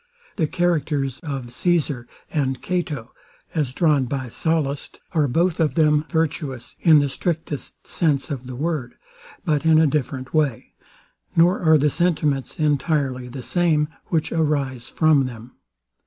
The characters of Caesar and Cato, as drawn by Sallust, are both of them virtuous, in the strictest sense of the word; but in a different way: Nor are the sentiments entirely the same, which arise from them.